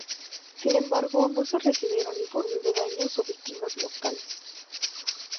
Sin embargo, no se recibieron informes de daños o víctimas mortales.